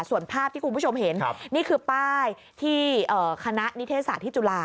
ส่วนภาพที่คุณผู้ชมเห็นนี่คือป้ายที่คณะนิเทศศาสตร์ที่จุฬา